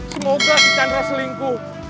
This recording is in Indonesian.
semoga si chandra selingkuh